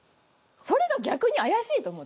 それが逆に怪しいと思って。